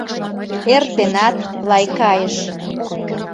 Эртенат-лай кайыш